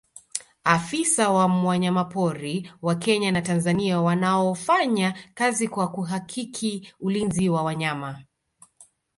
afisa wa wanyamapori wa kenya na tanzania wanaofanya kazi kwa kuhakiki ulinzi wa wanyama